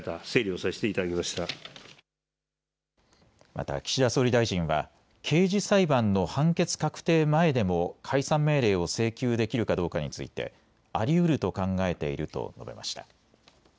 また岸田総理大臣は刑事裁判の判決確定前でも解散命令を請求できるかどうかについてありうると考えていると述べました。